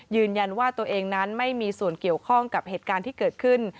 ยืนยันว่าตัวเองนั้นไม่มีส่วนเกี่ยวข้องกับเหตุการณ์ที่เกิดขึ้น